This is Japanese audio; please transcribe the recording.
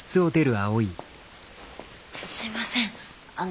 すいませんあの。